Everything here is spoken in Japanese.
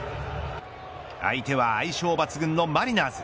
相手は相性抜群のマリナーズ。